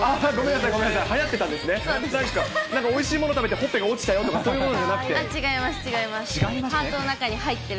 なんかおいしいもの食べて、ほっぺが落ちたよとか、そういうものじゃなくて？